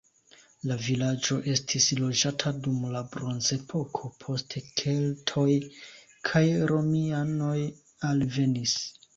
La vilaĝo estis loĝata dum la bronzepoko, poste keltoj kaj romianoj alvenis.